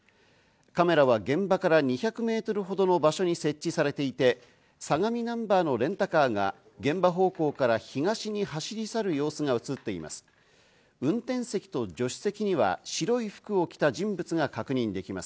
カメラは現場から２００メートルほどの場所に設置されていて、相模ナンバーのレンタカーが現場方向から東に走り去る様子が映っています。